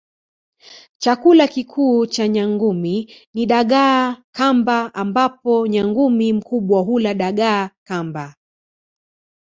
Chakula kikuu cha nyangumi ni dagaa kamba ambapo nyangumi mkubwa hula dagaa kamba